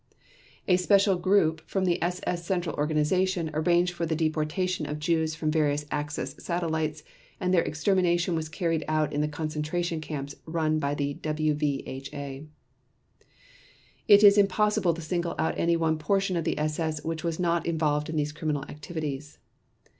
A special group from the SS Central Organization arranged for the deportation of Jews from various Axis satellites and their extermination was carried out in the concentration camps run by the WVHA. It is impossible to single out any one portion of the SS which was not involved in these criminal activities.